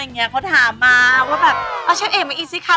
เขาถามมาว่าเชฟเอกมันอีซิค่ะ